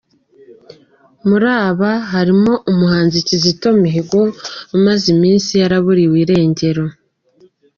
Muri aba harimo umuhanzi Kizito Mihigo umaze iminsi yaraburiwe irengero.